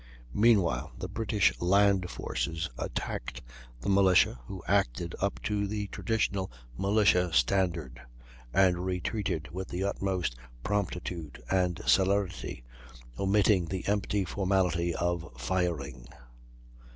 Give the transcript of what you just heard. Meanwhile the British land forces attacked the militia, who acted up to the traditional militia standard, and retreated with the utmost promptitude and celerity, omitting the empty formality of firing.